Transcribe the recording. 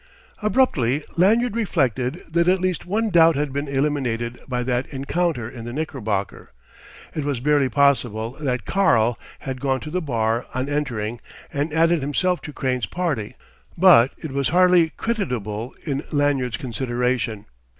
Abruptly Lanyard reflected that at least one doubt had been eliminated by that encounter in the Knickerbocker. It was barely possible that "Karl" had gone to the bar on entering and added himself to Crane's party, but it was hardly creditable in Lanyard's consideration.